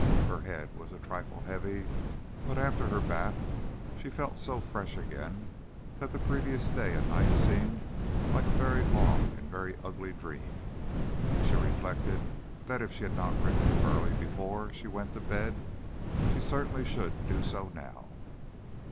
Her head was a trifle heavy, but after her bath she felt so fresh again that the previous day and night seemed like a very long and very ugly dream. She reflected that if she had not written to Burleigh before she went to bed she certainly should do so now.